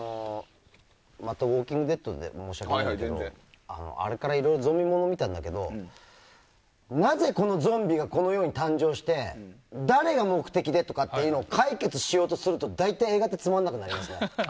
また「ウォーキング・デッド」で申し訳ないけどあれからいろいろゾンビ物を見たんだけどなぜ、このゾンビがこの世に誕生して誰が目的でとかっていうのを解決しようとすると大体、映画ってつまらなくなりますよね。